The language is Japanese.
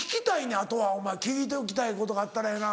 あとはお前聞いておきたいことがあったらやな。